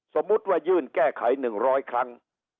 สมมุติว่ายื่นแก้ไข๑๐๐ครั้ง